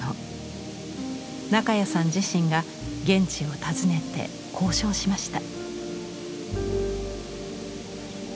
中谷さん自身が現地を訪ねて交渉しました。